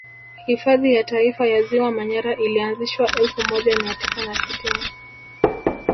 Hifadhi ya Taifa ya ziwa Manyara ilianzishwa elfu moja mia tisa na sitini